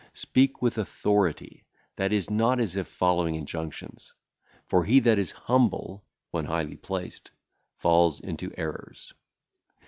Speak with authority, that is, not as if following injunctions, for he that is humble (when highly placed) falleth into errors.